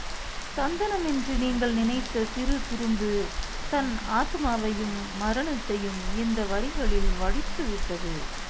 சந்தனமென்று நீங்கள் நினைத்த சிறு துரும்பு தன் ஆத்மாவையும் மரணத்தையும் இந்த வரிகளில் வடித்துவிட்டது.